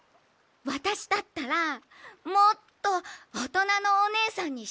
わたしだったらもっとおとなのおねえさんにしてあげられるわよ。